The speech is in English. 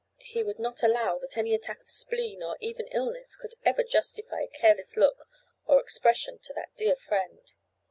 He would not allow that any attack of spleen, or even illness, could ever justify a careless look or expression to that dear friend.